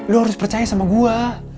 lo harus percaya sama gua